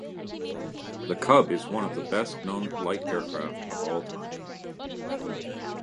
The Cub is one of the best known light aircraft of all time.